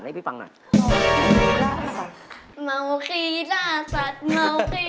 โอเคนี่แหละเสียงเรา